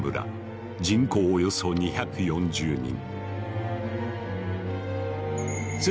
人口およそ２４０人。